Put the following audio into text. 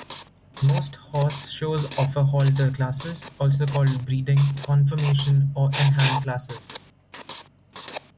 Most horse shows offer Halter classes, also called "breeding," "conformation," or "In-hand" classes.